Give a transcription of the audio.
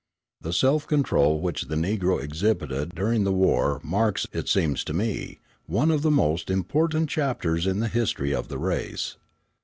The self control which the Negro exhibited during the war marks, it seems to me, one of the most important chapters in the history of the race.